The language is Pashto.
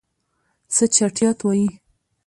څه چټياټ وايي.